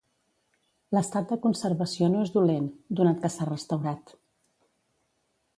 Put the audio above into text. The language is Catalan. L'estat de conservació no és dolent, donat que s'ha restaurat.